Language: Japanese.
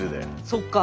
そっか。